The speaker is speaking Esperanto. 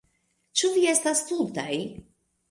Ĉu vi estas stultaj?